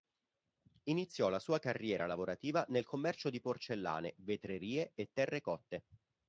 Iniziò la sua carriera lavorativa nel commercio di porcellane, vetrerie e terrecotte.